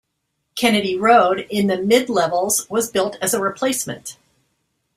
Kennedy Road in the Mid-Levels was built as a replacement.